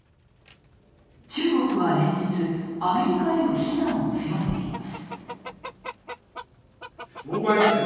中国は連日、アメリカへの非難を強めています。